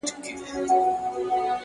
زه به له خپل دياره ولاړ سمه _